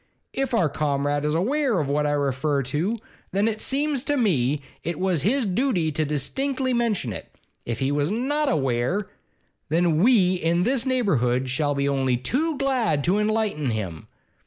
If our Comrade is aweer of what I refer to, then it seems to me it was his dooty to distinctly mention it. If he was not aweer, then we in this neighbourhood shall be only too glad to enlighten him.